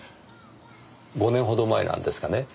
５年ほど前なんですがね